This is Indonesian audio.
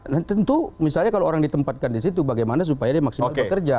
nah tentu misalnya kalau orang ditempatkan di situ bagaimana supaya dia maksimal bekerja